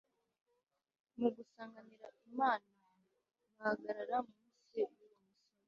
mu gusanganira imana bahagarara munsi y' uwo musozi